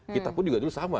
kita pun juga sama